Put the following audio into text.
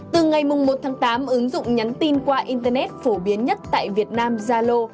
từ ngày một tháng tám ứng dụng nhắn tin qua internet phổ biến nhất tại việt nam zalo